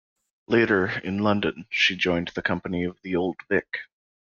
Later, in London, she joined the company of The Old Vic.